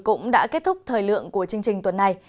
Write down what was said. cũng đã kết thúc thời lượng chương trình